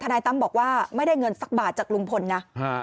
นายตั้มบอกว่าไม่ได้เงินสักบาทจากลุงพลนะ